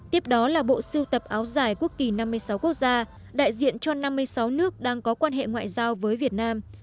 tiếp đó là bộ siêu tập áo dài quốc kỳ năm mươi sáu quốc gia đại diện cho năm mươi sáu nước đang có quan hệ ngoại giao với việt nam